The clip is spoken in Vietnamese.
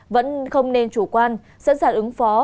vẫn không nên chủ quan sẵn sàng ứng phó